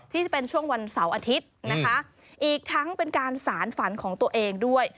ที่จะเป็นช่วงวันเสาร์อาทิตย์นะคะอีกทั้งเป็นการสารฝันของตัวเองด้วย